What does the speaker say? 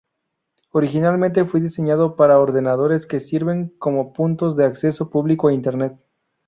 Originalmente fue diseñado para ordenadores que sirviesen como puntos de acceso público a Internet.